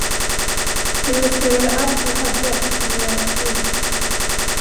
Investerade allt vi hade, och mer därtill.